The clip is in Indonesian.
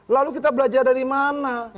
lalu kita belajar dari mana